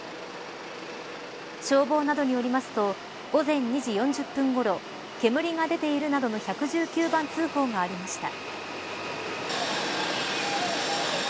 消防などによりますと午前２時４０分ごろ煙が出ているとの１１９番通報がありました。